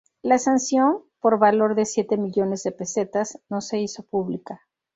La sanción, por valor de siete millones de pesetas, no se hizo pública.